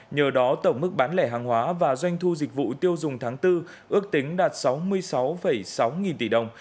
nhờ đó tổng mức bán lẻ hàng hóa và doanh thu dịch vụ tiêu dùng tháng bốn ước tính đạt sáu mươi sáu sáu nghìn tỷ đồng